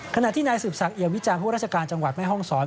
ขณะที่นายสืบศักดิมวิจารณผู้ราชการจังหวัดแม่ห้องศร